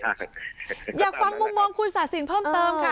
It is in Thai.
อยากฟังมุมมองคุณศาสินเพิ่มเติมค่ะ